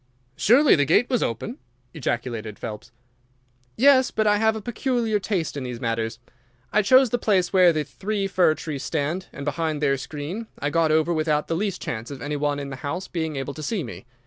"Surely the gate was open!" ejaculated Phelps. "Yes, but I have a peculiar taste in these matters. I chose the place where the three fir trees stand, and behind their screen I got over without the least chance of any one in the house being able to see me.